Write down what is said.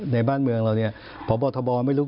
ในบ้านเมืองเราเนี่ยพบทบไม่รู้